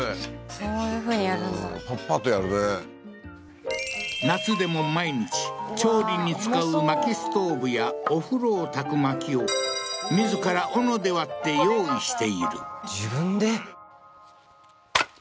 そういうふうにやるんだパッパとやるね夏でも毎日調理に使う薪ストーブやお風呂を焚く薪を自らオノで割って用意している自分で？